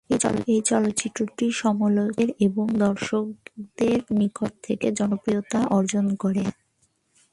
এই চলচ্চিত্রটি সমালোচকদের এবং দর্শকদের নিকট থেকে জনপ্রিয়তা অর্জন করে।